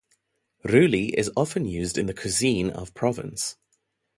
Rouille is most often used in the cuisine of Provence.